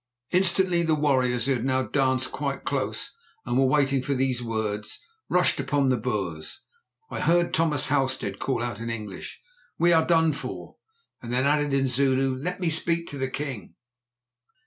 Instantly the warriors, who had now danced quite close and were waiting for these words, rushed upon the Boers. I heard Thomas Halstead call out in English: "We are done for," and then add in Zulu, "Let me speak to the king!"